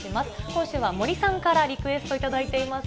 今週は森さんからリクエスト頂いています。